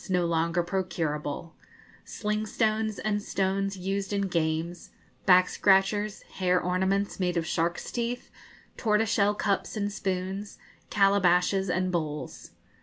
no longer procurable sling stones, and stones used in games, back scratchers, hair ornaments made of sharks' teeth, tortoise shell cups and spoons, calabashes and bowls.